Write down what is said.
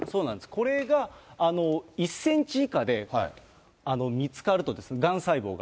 これが１センチ以下で見つかると、がん細胞が。